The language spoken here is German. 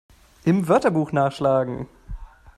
Im Wörterbuch nachschlagen!